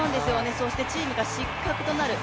そしてチームが失格となる。